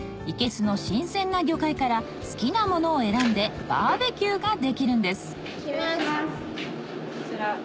いけすの新鮮な魚介から好きなものを選んでバーベキューができるんですこちら